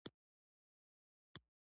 ویرونکې خیالي څېره را څرګندیږي.